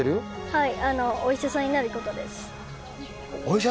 はい。